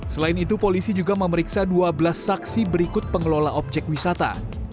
selain itu polisi juga memeriksa dua belas saksi berikut pengelola objek wisata